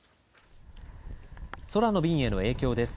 空の便への影響です。